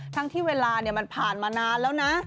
ที่เวลามันผ่านมานานแล้วนะ